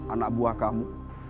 anak buah kamu